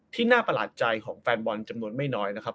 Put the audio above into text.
ที่น่าประหลาดใจของแฟนบอลจำนวนไม่น้อยนะครับ